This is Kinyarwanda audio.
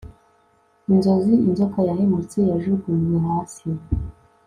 Inzozi inzoka yahemutse yajugunywe hasi